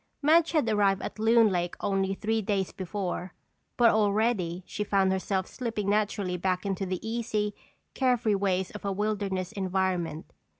Madge had arrived at Loon Lake only three days before, but already she found herself slipping naturally back into the easy, carefree ways of a wilderness environment.